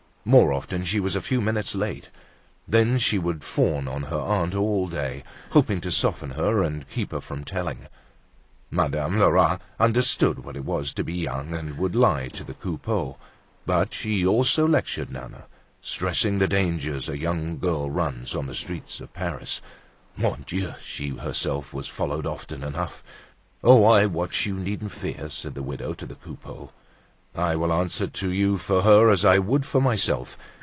More often she was a few minutes late. Then she would fawn on her aunt all day, hoping to soften her and keep her from telling. Madame Lerat understood what it was to be young and would lie to the Coupeaus, but she also lectured Nana, stressing the dangers a young girl runs on the streets of Paris. Mon Dieu! she herself was followed often enough! "Oh! I watch, you needn't fear," said the widow to the Coupeaus. "I will answer to you for her as I would for myself.